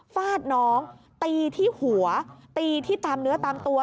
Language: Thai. ฟาดน้องตีที่หัวตีที่ตามเนื้อตามตัว